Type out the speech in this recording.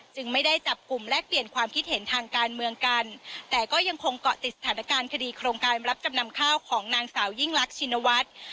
ไม่ได้จับกลุ่มแลกเปลี่ยนความคิดเห็นทางการเมืองกันแต่ก็ยังคงเกาะติดสถานการณ์คดีโครงการรับจำนำข้าวของนางสาวยิ่งรักชินวัฒน์